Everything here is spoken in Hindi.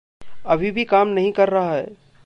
अभी भी काम नहीं कर रहा है।